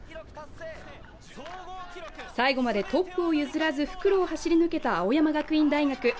最後までトップを譲らず復路を走り抜けた青山学院大学。